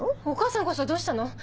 お母さんこそどうしたの？